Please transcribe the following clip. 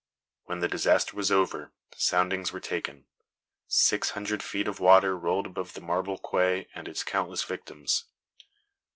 When the disaster was over, soundings were taken. Six hundred feet of water rolled above the marble quay and its countless victims.